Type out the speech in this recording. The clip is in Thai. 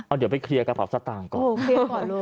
เอาเดี๋ยวไปเคลียร์กระเป๋าสตางค์ก่อนเลย